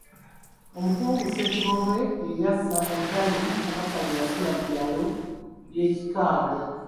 Omukungu Ssekiboobo ye yazza entanyi Kabaka lwe yasula mu byalo bye mu Kikaabya.